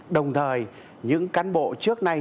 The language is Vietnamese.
đồng thời những cán bộ trước nay